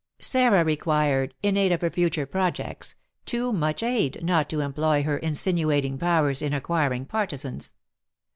Sarah required, in aid of her future projects, too much aid not to employ her insinuating powers in acquiring partisans.